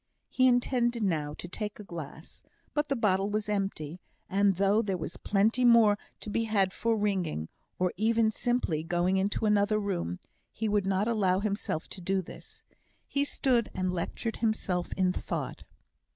He intended now to take a glass, but the bottle was empty; and though there was plenty more to be had for ringing, or even simply going into another room, he would not allow himself to do this. He stood and lectured himself in thought.